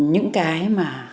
những cái mà